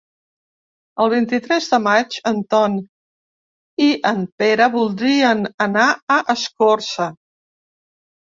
El vint-i-tres de maig en Ton i en Pere voldrien anar a Escorca.